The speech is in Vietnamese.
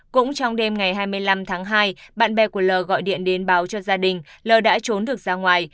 cũng trong đêm ngày hai mươi năm tháng hai bạn bè của l gọi điện đến báo cho gia đình lơ đã trốn được ra ngoài